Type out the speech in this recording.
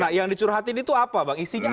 nah yang dicurhatin itu apa bang isinya apa